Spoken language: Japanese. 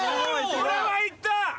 これはいった！